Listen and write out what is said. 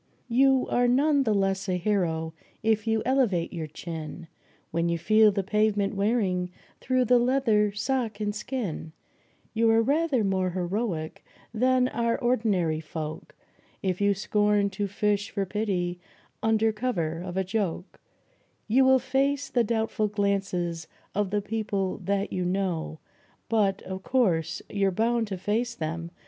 You are none the less a hero if you elevate your chin When you feel the pavement wearing through the leather, sock and skin; You are rather more heroic than are ordinary folk If you scorn to fish for pity under cover of a joke; You will face the doubtful glances of the people that you know ; But of course, you're bound to face them when your pants begin to go.